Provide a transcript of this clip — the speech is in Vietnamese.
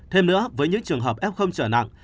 thêm nữa với những trường hợp f trở nặng